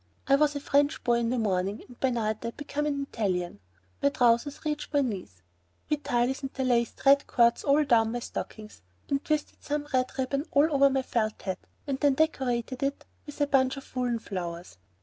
I was a French boy in the morning, and by night I had become an Italian. My trousers reached my knees. Vitalis interlaced red cords all down my stockings and twisted some red ribbon all over my felt hat, and then decorated it with a bunch of woolen flowers.